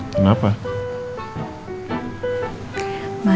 tidur sama mama